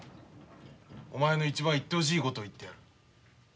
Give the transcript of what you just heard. お前の一番言ってほしいことを言ってやる。